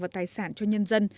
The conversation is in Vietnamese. và tài sản cho nhân dân